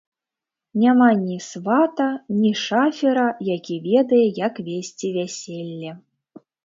Няма ні свата, ні шафера, які ведае, як весці вяселле.